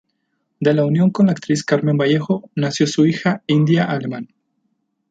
De la unión con la actriz Carmen Vallejo nació su hija India Alemán.